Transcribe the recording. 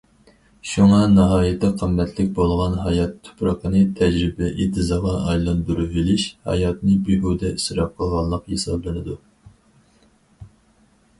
شۇڭا ناھايىتى قىممەتلىك بولغان ھايات تۇپرىقىنى تەجرىبە ئېتىزىغا ئايلاندۇرۇۋېلىش— ھاياتنى بىھۇدە ئىسراپ قىلغانلىق ھېسابلىنىدۇ.